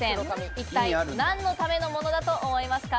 一体何のためのものだと思いますか？